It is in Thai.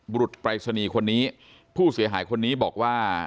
บุรุษปรายศนีย์คนนี้ผู้เสียหายคนนี้บอกว่า